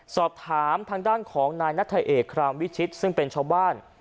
สอบถามทางด้านของนายนัทเอกครามวิชิตซึ่งเป็นชาวบ้าน